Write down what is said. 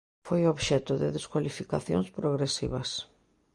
Foi obxecto de descualificacións progresivas.